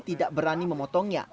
tidak berani memotongnya